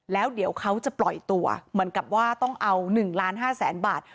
แล้วเดี๋ยวเขาจะปล่อยตัวเหมือนกับว่าต้องเอา๑ล้าน๕แสนบาท